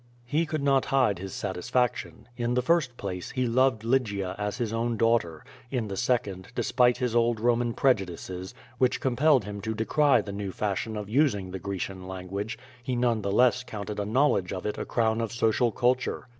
He could not hide his satisfaction. In the first place, he loved Lygia as his own daughter; in the second, despite his old Boman prejudices, which compelled him to decry the new fashion of using the Grecian language, he none the less counted a knowledge of it a crown of social culture.